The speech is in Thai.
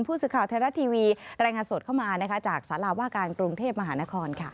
ผู้สื่อข่าวไทยรัฐทีวีรายงานสดเข้ามาจากสาราว่าการกรุงเทพมหานคร